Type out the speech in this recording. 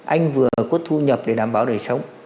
anh vừa có thu nhập để đảm bảo